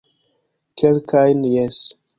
Kelkajn, jes